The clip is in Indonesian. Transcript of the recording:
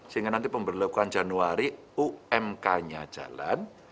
sehingga nanti pemberlakuan januari umk nya jalan